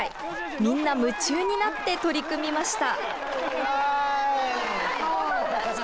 みんな夢中になって取り組みました。